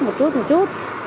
một chút một chút